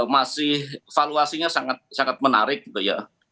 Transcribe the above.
masih valuasinya sangat menarik gitu ya